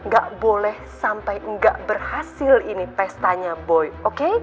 gak boleh sampai nggak berhasil ini pestanya boy oke